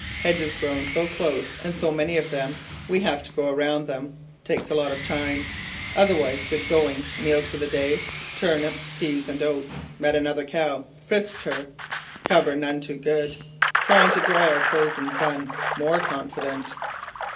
Hedges grown so close and so many of them, we have to go around them. Takes a lot of time. Otherwise going good. Meals for the day: turnip, peas and oats. Met another cow. Frisked her. Cover none too good. Trying to dry our clothes in sun. More confident."